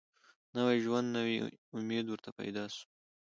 نوی ژوند نوی امید ورته پیدا سو